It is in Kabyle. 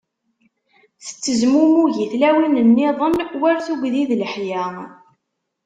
Tettezmumug i tlawin-niḍen war tuggdi d leḥya.